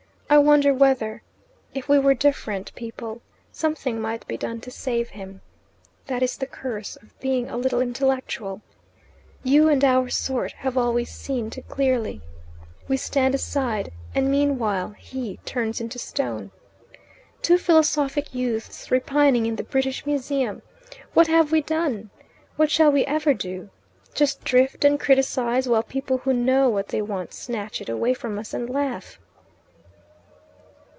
I wonder whether If we were different people something might be done to save him. That is the curse of being a little intellectual. You and our sort have always seen too clearly. We stand aside and meanwhile he turns into stone. Two philosophic youths repining in the British Museum! What have we done? What shall we ever do? Just drift and criticize, while people who know what they want snatch it away from us and laugh."